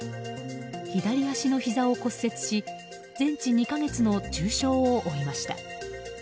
左足のひざを骨折し全治２か月の重傷を負いました。